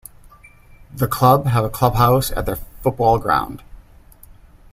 The club have a clubhouse at their football ground.